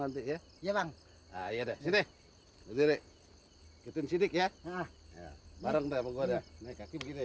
nanti ya ya bang ayo deh sini duduk di sini ya bareng deh panggungnya naik kaki begini ya